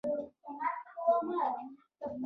د زیات کار لپاره ورته تل کاري موخه ټاکي.